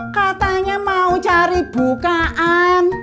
katanya mau cari bukaan